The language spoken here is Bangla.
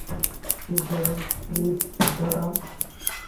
প্লিজ দাঁড়ান, প্লিজ দাঁড়ান।